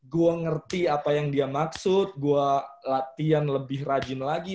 gue ngerti apa yang dia maksud gue latihan lebih rajin lagi